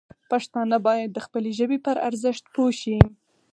پښتانه باید د خپلې ژبې پر ارزښت پوه شي.